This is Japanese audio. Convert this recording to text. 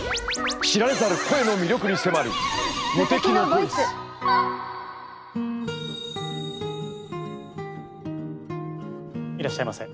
知られざる声の魅力に迫るいらっしゃいませ。